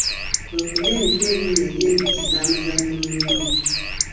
Kwe kulya emitwe ebiri egy’empiki za muzannyi munno.